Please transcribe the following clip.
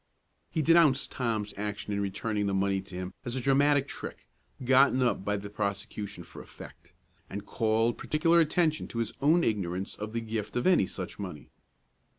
He denounced Tom's action in returning the money to him as a dramatic trick, gotten up by the prosecution for effect; and called particular attention to his own ignorance of the gift of any such money.